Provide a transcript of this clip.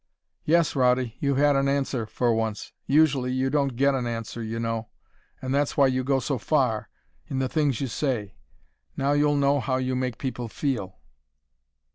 "Yes, Rawdy, you've had an answer, for once. Usually you don't get an answer, you know and that's why you go so far in the things you say. Now you'll know how you make people feel."